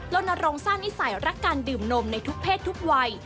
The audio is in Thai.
ลนรงค์สร้างนิสัยรักการดื่มนมในทุกเพศทุกวัย